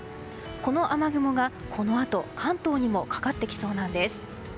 この雨雲が、このあと関東にもかかってきそうなんです。